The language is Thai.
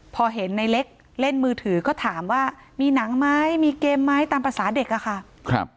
พอเห็นในเล็กเล่นมือถือก็ถามว่ามีหนังไหมมีเกมไหมตามภาษาเด็กอะค่ะ